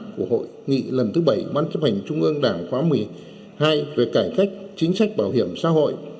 của hội nghị lần thứ bảy ban chấp hành trung ương đảng khóa một mươi hai về cải cách chính sách bảo hiểm xã hội